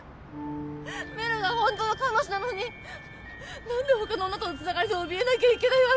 めろがほんとの彼女なのになんでほかの女とのつながりにおびえなきゃいけないわけ？